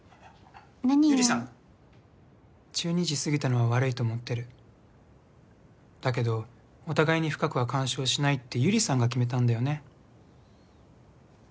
何を百合さん１２時過ぎたのは悪いと思ってるだけどお互いに深くは干渉しないって百合さんが決めたんだよね？